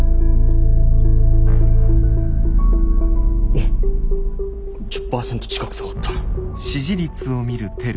おっ１０％近く下がった。